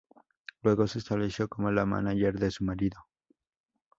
Luego se estableció como la mánager de su marido.